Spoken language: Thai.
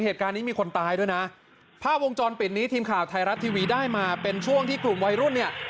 เหตุการณ์นี้มีคนตายด้วยนะภาพวงจรปิดนี้ทีมข่าวไทยรัฐทีวีได้มาเป็นช่วงที่กลุ่มวัยรุ่นเนี่ย